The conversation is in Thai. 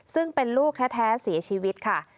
ซึ่งเป็นลูกแท้เสียชีวิตค่ะ